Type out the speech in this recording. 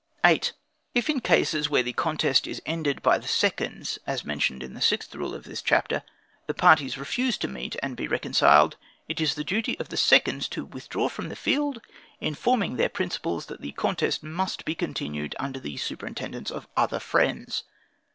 8. If in cases where the contest is ended by the seconds, as mentioned in the sixth rule of this chapter, the parties refuse to meet and be reconciled, it is the duty of the seconds to withdraw from the field, informing their principals, that the contest must be continued under the superintendence of other friends.